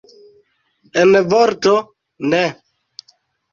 En vorto, ne.